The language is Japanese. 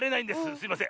すいません。